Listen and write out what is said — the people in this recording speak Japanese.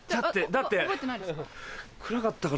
だって。